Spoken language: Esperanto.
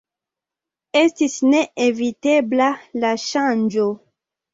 Estis ne evitebla la ŝanĝo.